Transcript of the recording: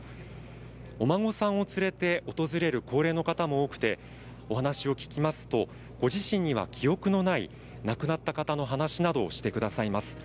お孫さんを連れて訪れる高齢の方も多くてお話を聞きますとご自身には記憶のない亡くなった方の話などをしてくださいます。